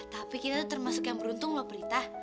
tapi kita termasuk yang beruntung loh prita